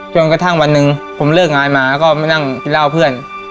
จนกระทั่งวันหนึ่งผมเลิกงานมาก็มานั่งกินเหล้าเพื่อน